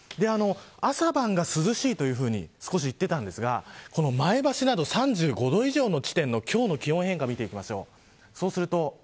朝晩が涼しいというふうに言っていたんですが前橋など３５度以上の地点の今日の気温変化を見ていきます。